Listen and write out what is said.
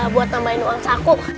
buat tambahin uang saku